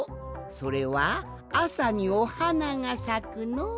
それはあさにおはながさくのう。